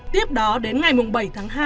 tiếp đó đến ngày bảy tháng hai